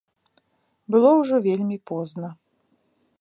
Было ўжо вельмі позна.